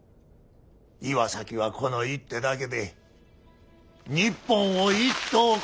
岩崎はこの一手だけで日本を一等国にするき。